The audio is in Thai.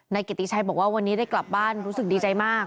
เกติชัยบอกว่าวันนี้ได้กลับบ้านรู้สึกดีใจมาก